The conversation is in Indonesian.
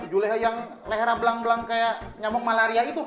juleka yang lehera belang belang kayak nyamuk malaria itu